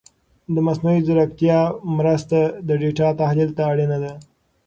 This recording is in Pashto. د مصنوعي ځیرکتیا مرسته د ډېټا تحلیل ته اړینه ده.